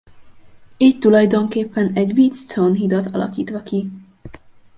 Így tulajdonképpen egy Wheatstone-hídat alakítva ki.